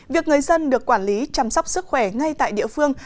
việc người dân được quản lý chăm sóc sức khỏe ngay tại địa phương